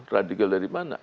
radikal dari mana